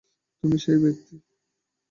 তুমিই সেই ব্যক্তি।